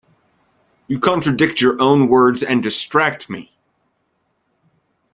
You contradict your own words, and distract me!